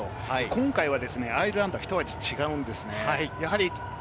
今回はアイルランドは一味違うんです。